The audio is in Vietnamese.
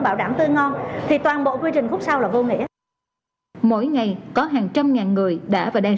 bảo đảm tươi ngon thì toàn bộ quy trình phút sau là vô nghĩa mỗi ngày có hàng trăm ngàn người đã và đang